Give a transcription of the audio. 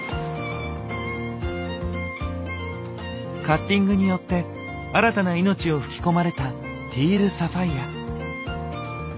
カッティングによって新たな命を吹き込まれたティールサファイア。